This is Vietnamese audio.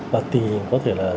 và tình hình có thể là